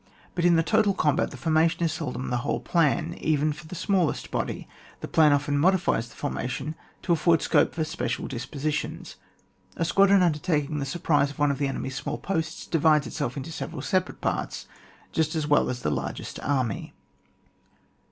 But in the total combat the forma tion is seldom the whole plan, even for the smallest body : the plan often modifies the formation to afford scope for special dispositions. A squadron undertaking the surprise of one of the enemy's small posts divides itself into several separate parts just as well as the largest army.